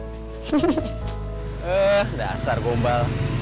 eh dasar gombal